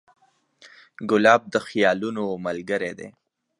ګلاب د خیالونو ملګری دی.